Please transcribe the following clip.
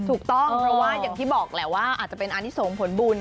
ถูกต้องเพราะว่าอย่างที่บอกแหละว่าอาจจะเป็นอันนี้ส่งผลบุญ